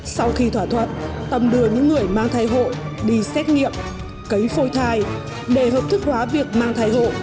sau khi thỏa thuận tâm đưa những người mang thai hộ đi xét nghiệm cấy phôi thai để hợp thức hóa việc mang thai hộ